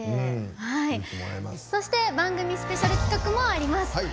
そして番組スペシャル企画もあります。